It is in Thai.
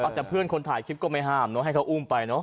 เอออาจจะเพื่อนคนถ่ายคลิปก็ไม่ห้ามเนอะให้เขาอุ้มไปเนอะอ่า